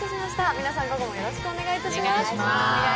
皆さん、午後もよろしくお願いいたします。